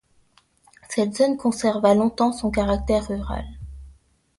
Cette zone conserva longtemps son caractère rural.